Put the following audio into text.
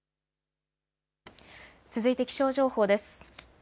続いて気象情報です。